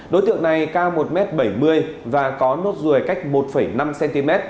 đối tượng này cao một m bảy mươi và có nốt ruồi cách một năm cm